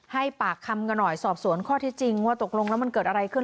ให้ปากคำกันหน่อยสอบสวนข้อที่จริงว่าตกลงแล้วมันเกิดอะไรขึ้น